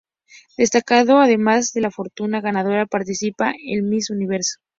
Destacando además que la afortunada ganadora participará en el Miss Universo.